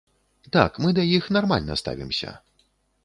Так, мы да іх нармальна ставімся.